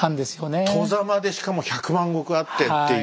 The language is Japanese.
外様でしかも百万石あってっていう。